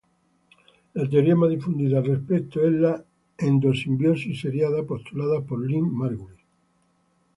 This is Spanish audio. La teoría más difundida al respecto es la endosimbiosis seriada, postulada por Lynn Margulis.